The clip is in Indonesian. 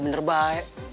ya bener baik